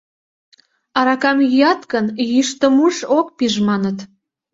Аракам йӱат гын, йӱштымуж ок пиж, маныт...